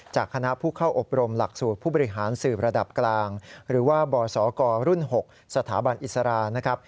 จากคณะผู้เข้าอบรมหลักสูตรผู้บริหารสืบระดับกลางหรือว่าบศกรุ่น๖สถาบันอิสรานะครับ